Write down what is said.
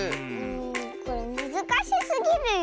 これむずかしすぎるよ。